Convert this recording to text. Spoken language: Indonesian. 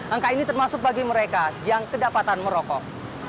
angka ini termasuk bagi mereka yang kedapatan merokok